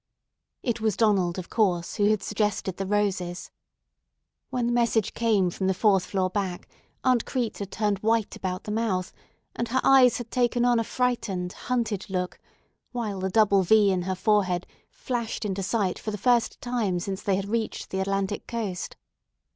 It was Donald, of course, who had suggested the roses. When the message came from the fourth floor back, Aunt Crete had turned white about the mouth, and her eyes had taken on a frightened, hunted look, while the double V in her forehead flashed into sight for the first time since they had reached the Atlantic coast.